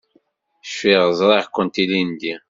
Cfiɣ ẓriɣ-kent ilindi.